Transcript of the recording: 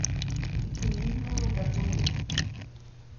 Tegzem yemma agaṭu-nni.